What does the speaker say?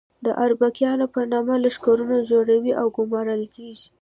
د اربکیانو په نامه لښکرونه جوړوي او ګومارل کېږي.